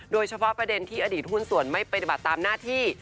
โดยเฉพาะประเด็นที่อดีตหุ้นส่วนไม่ปฏิบัติตามหน้าที่